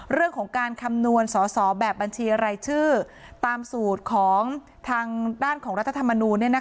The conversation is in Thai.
เรื่องของการคำนวณสอสอแบบบัญชีรายชื่อตามสูตรของทางด้านของรัฐธรรมนูล